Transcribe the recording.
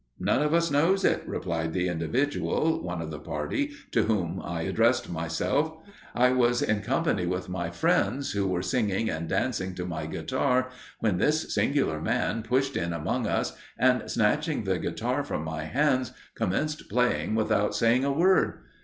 'None of us knows it,' replied the individual, one of the party, to whom I addressed myself; 'I was in company with my friends, who were singing and dancing to my guitar, when this singular man pushed in among us, and snatching the guitar from my hands, commenced playing without saying a word.